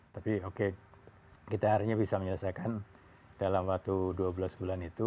tapi oke kita akhirnya bisa menyelesaikan dalam waktu dua belas bulan itu